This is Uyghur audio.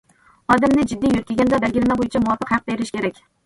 ئادەمنى جىددىي يۆتكىگەندە، بەلگىلىمە بويىچە مۇۋاپىق ھەق بېرىش كېرەك.